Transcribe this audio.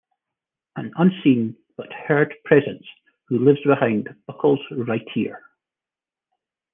An unseen but heard presence who lives behind Buckles' right ear.